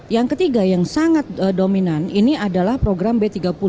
yang ketiga yang sangat dominan ini adalah program b tiga puluh